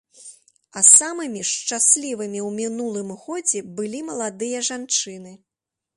А самымі ж шчаслівымі ў мінулым годзе былі маладыя жанчыны.